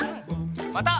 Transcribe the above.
また。